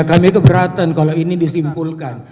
iya kami itu beratan kalau ini disimpulkan